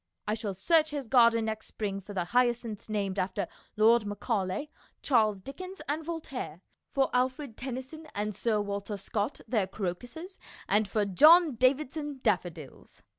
I shall search his garden next spring for the hyacinths named after Lord Macaulay, Charles Dickens, and Voltaire, for Alfred Tennyson and Sir Walter Scott their crocuses, and for John Davidson daffodils.